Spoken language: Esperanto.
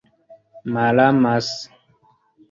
malamas